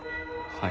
はい。